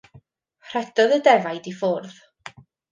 Rhedodd y defaid i ffwrdd.